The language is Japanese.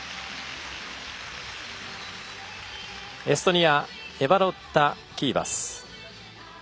エストニアエバロッタ・キーバス。